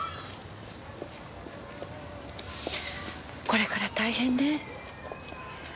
これから大変ね。